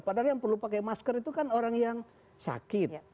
padahal yang perlu pakai masker itu kan orang yang sakit